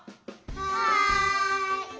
はい！